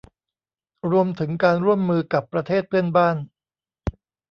รวมถึงการร่วมมือกับประเทศเพื่อนบ้าน